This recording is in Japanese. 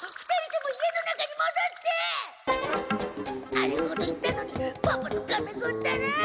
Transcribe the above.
あれほど言ったのにパパとカメ子ったら！